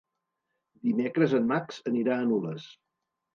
Dimecres en Max anirà a Nules.